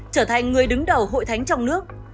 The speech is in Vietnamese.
trở thành người đứng đầu hội thánh trong nước